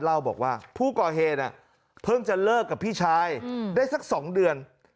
เล่าบอกว่าผู้ก่อเหตุเพิ่งจะเลิกกับพี่ชายได้สัก๒เดือน